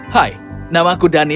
hai nama aku daniel